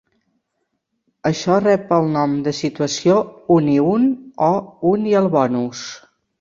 Això rep el nom de situació "un i un" o "un i el bonus".